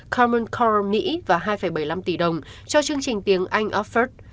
common core mỹ và hai bảy mươi năm tỷ đồng cho chương trình tiếng anh offered